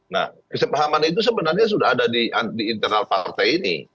nah kesepahaman itu sebenarnya sudah ada di internal partai ini